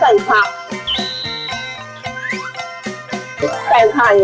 ใส่ไทยค่ะแล้วก็ใส่เตี้ยว